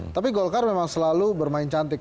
tapi golkar memang selalu bermain cantik